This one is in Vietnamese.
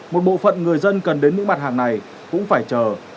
một bộ phận người dân cần đến những mặt hàng này cũng phải chờ